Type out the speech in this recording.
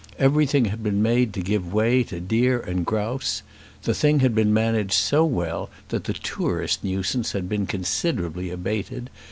Everything had been made to give way to deer and grouse. The thing had been managed so well that the tourist nuisance had been considerably abated.